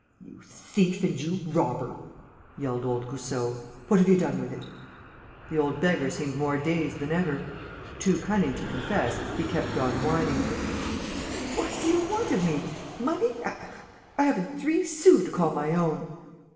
"You thief and you robber!" yelled old Goussot. "What have you done with it?" The old beggar seemed more dazed than ever. Too cunning to confess, he kept on whining: "What do you want of me?... Money? I haven't three sous to call my own...."